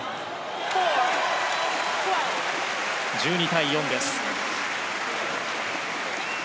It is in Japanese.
１２対４です。